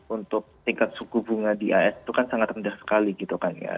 untuk tingkat suku bunga di as itu kan sangat rendah sekali gitu kan ya